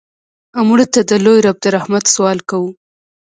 مړه ته د لوی رب د رحمت سوال کوو